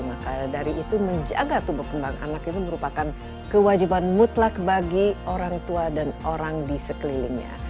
maka dari itu menjaga tubuh kembang anak itu merupakan kewajiban mutlak bagi orang tua dan orang di sekelilingnya